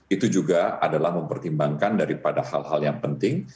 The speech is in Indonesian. itu juga adalah mempertimbangkan daripada hal hal yang penting